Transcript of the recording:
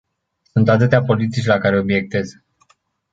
Sunt atâtea politici la care obiectez.